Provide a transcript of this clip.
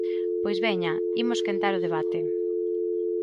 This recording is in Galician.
Pois veña, imos quentar o debate.